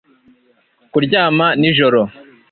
kuryama nijoro